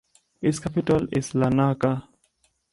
Its capital is Larnaca.